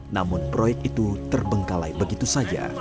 namun proyek itu terbengkalai begitu saja